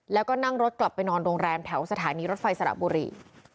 แล้วก็นั่งรถกลับไปนอนโรงแรมแถวสถานีรถไฟสระบุรี